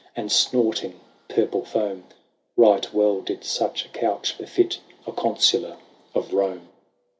And snorting purple foam : Right well did such a couch befit A Consular of Rome.